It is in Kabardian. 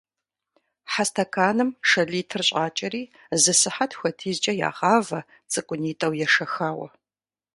Хьэ стэканым шэ литр щӏакӏэри, зы сыхьэт хуэдизкӏэ ягъавэ, цӏыкӏунитӏэу ешэхауэ.